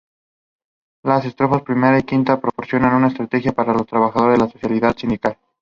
Las estrofas primera y quinta proporcionan una estrategia para los trabajadores: la solidaridad sindical.